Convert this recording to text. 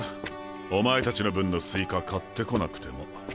お前達の分のスイカ買ってこなくても。